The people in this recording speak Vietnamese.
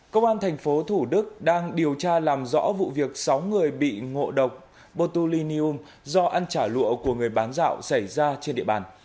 công an thành phố thủ đức đang điều tra làm rõ vụ việc sáu người bị ngộ độc botulinium do ăn trả lụa của người bán dạo xảy ra trên địa bàn